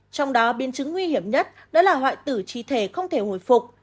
trong đó biến chứng nguy hiểm nhất đó là hoại tử trí thể không thể hồi phục